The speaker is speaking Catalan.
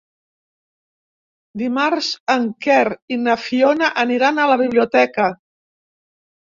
Dimarts en Quer i na Fiona aniran a la biblioteca.